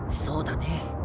そうだね。